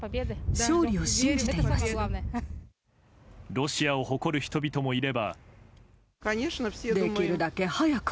ロシアを誇る人々もいれば。